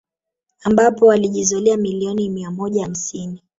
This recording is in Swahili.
Ambapo alijizolea milioni mia moja hamsini